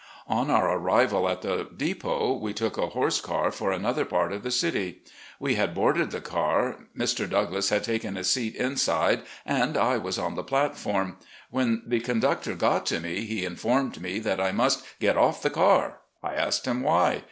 On our arrival at the depot we took a horse car for another part of the city. We had boarded the car, Mr. Douglass had taken a seat inside, and A DISTINCTION. 103 I was on the platform. When the conductor got to me, he informed me that I "must get off this car." I asked him why.